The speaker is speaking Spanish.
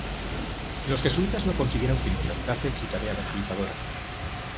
Los jesuitas no consiguieron quien lo reemplace en su tarea evangelizadora.